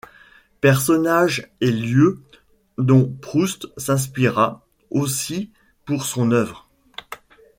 Personnages et lieux dont Proust s'inspira aussi pour son œuvre.